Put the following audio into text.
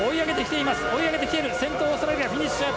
先頭オーストラリアフィニッシュ。